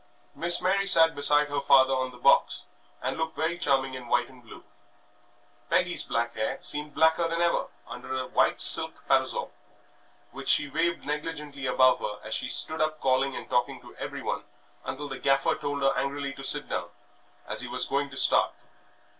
Miss Mary sat beside her father on the box, and looked very charming in white and blue. Peggy's black hair seemed blacker than ever under a white silk parasol, which she waved negligently above her as she stood up calling and talking to everyone until the Gaffer told her angrily to sit down, as he was going to start.